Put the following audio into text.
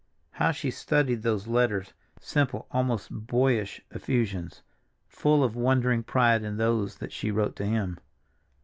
How she studied those letters—simple, almost boyish effusions—full of wondering pride in those that she wrote to him.